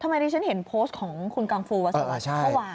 ทำไมที่ฉันเห็นโพสต์ของคุณกังฟูวัสเมื่อวาน